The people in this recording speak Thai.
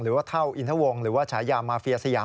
หรือว่าเท่าอินทวงหรือว่าฉายามาเฟียสยาม